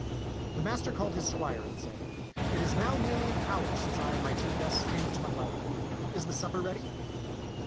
The master called his squire and said, " It is now nearly an hour since I and my two guests came into my library. Is the supper ready